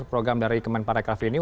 program dari kemen parek rauf ini